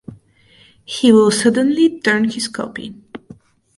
He will suddenly turn his copy.